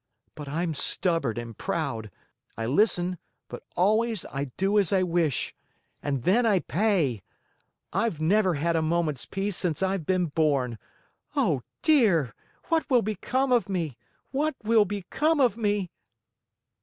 But I'm stubborn and proud. I listen, but always I do as I wish. And then I pay. I've never had a moment's peace since I've been born! Oh, dear! What will become of me? What will become of me?"